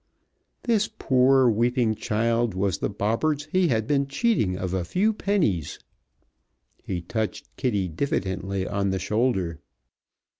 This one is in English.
This poor, weeping child was the Bobberts he had been cheating of a few pennies. He touched Kitty diffidently on the shoulder.